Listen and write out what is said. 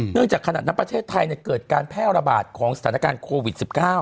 เนื่องจากคะหนักน้ำประเทศไทยเกิดการแพร่ระบาดของสถานการณ์โควิด๑๙